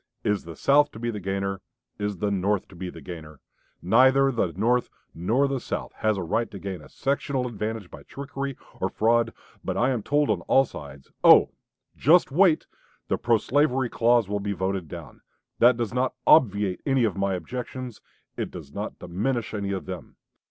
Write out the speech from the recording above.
Is the South to be the gainer? Is the North to be the gainer? Neither the North nor the South has the right to gain a sectional advantage by trickery or fraud.... But I am told on all sides, 'Oh! just wait; the pro slavery clause will be voted down.' That does not obviate any of my objections; it does not diminish any of them.